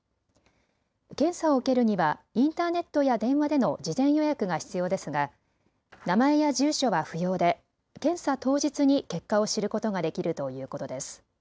検査を受けるにはインターネットや電話での事前予約が必要ですが名前や住所は不要で検査当日に結果を知ることができるということです。